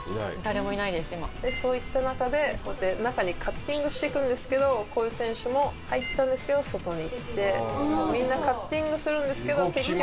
そういった中でこうやって中にカッティングしていくんですけどこういう選手も入ったんですけど外に行ってみんなカッティングするんですけど結局。